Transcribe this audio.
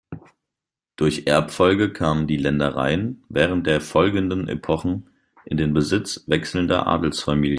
Durch Erbfolge kamen die Ländereien während der folgenden Epochen in den Besitz wechselnder Adelsfamilien.